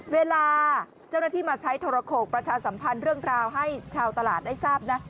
เวลาเจ้าหน้าที่มาใช้โทรโขกประชาสัมพันธ์เรื่องราวให้ชาวตลาดได้ทราบนะ